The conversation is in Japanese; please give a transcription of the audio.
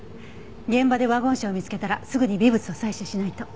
現場でワゴン車を見つけたらすぐに微物を採取しないと。